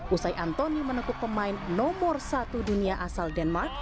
usai antoni menekuk pemain nomor satu dunia asal denmark